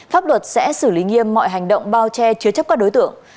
pháp luật sẽ xử lý nghiêm mọi hành động bao che chứa chấp các đối tượng